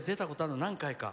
何回か。